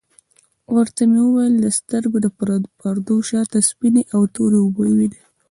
ورته ومي ویل د سترګو د پردو شاته سپیني او توری اوبه وینې ؟